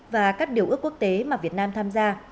và các điều ước quốc tế mà việt nam tham gia